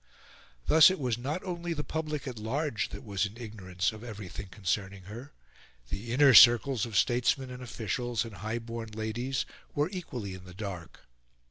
Thus it was not only the public at large that was in ignorance of everything concerning her; the inner circles of statesmen and officials and high born ladies were equally in the dark.